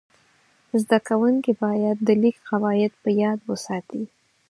زده کوونکي باید د لیک قواعد په یاد وساتي.